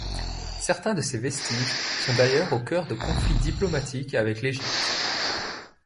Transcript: Certains de ces vestiges sont d'ailleurs au cœur de conflits diplomatiques avec l'Égypte.